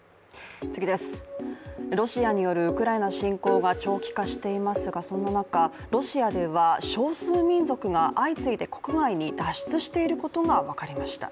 ロシアによるウクライナ侵攻が長期化していますがそんな中、ロシアでは少数民族が相次いで国外に脱出していることが分かりました。